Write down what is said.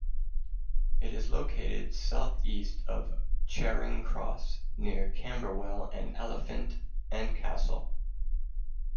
It is located south east of Charing Cross, near Camberwell and Elephant and Castle.